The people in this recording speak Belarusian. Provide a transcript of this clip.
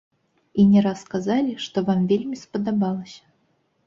І не раз казалі, што вам вельмі спадабалася.